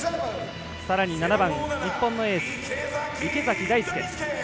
さらに７番、日本のエース池崎大輔。